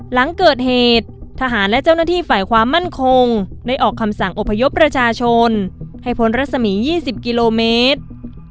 หลังเกิดเหตุทหารและเจ้าหน้าที่ฝ่ายความมั่นคงได้ออกคำสั่งอพยพประชาชนให้พ้นรัศมี๒๐กิโลเมตร